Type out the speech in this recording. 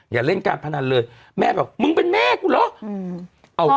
อย่าเล่นการพนันเลยแม่บอกมึงเป็นแม่กูเหรอ